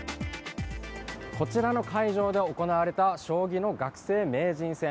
こちらの会場で行われた将棋の学生名人戦。